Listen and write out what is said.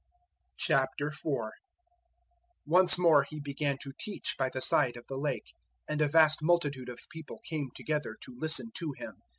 004:001 Once more He began to teach by the side of the Lake, and a vast multitude of people came together to listen to Him.